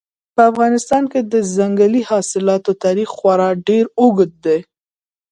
په افغانستان کې د ځنګلي حاصلاتو تاریخ خورا ډېر اوږد دی.